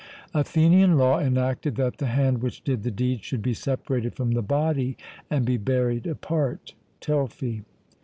Athenian law enacted that the hand which did the deed should be separated from the body and be buried apart (Telfy).